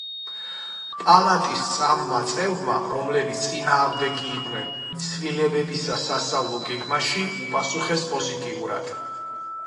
პალატის სამმა წევრმა, რომლებიც წინააღმდეგნი იყვნენ ცვლილებებისა სასწავლო გეგმაში, უპასუხეს პოზიტიურად.